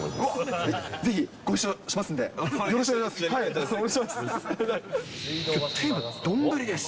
ぜひご一緒しますんで、よろしくお願いします。